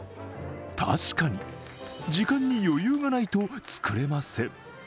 確かに時間に余裕がないと作れません。